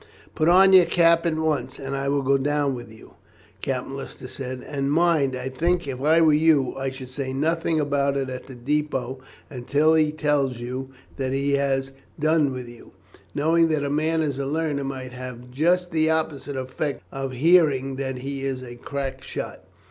"Put on your cap at once, and I will go down with you," Captain Lister said; "and mind, I think if I were you I should say nothing about it at the depôt until he tells you that he has done with you. Knowing that the man is a learner might have just the opposite effect of hearing that he is a crack shot."